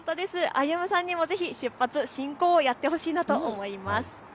歩夢さんにもぜひ出発進行をやってほしいなと思います。